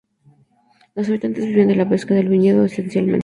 Los habitantes vivían de la pesca y del viñedo esencialmente.